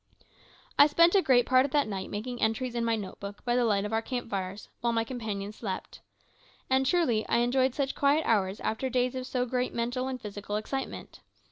I spent a great part of that night making entries in my note book, by the light of our camp fires, while my companions slept. And, truly, I enjoyed such quiet hours after days of so great mental and physical excitement.